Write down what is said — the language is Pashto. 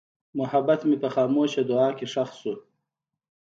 محبت مې په خاموشه دعا کې ښخ شو.